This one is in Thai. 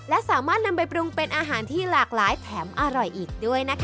และสามารถนำไปปรุงเป็นอาหารที่หลากหลายแถมอร่อยอีกด้วยนะคะ